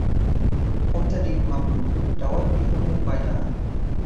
Unter den Mamluken dauerten die Unruhen weiter an.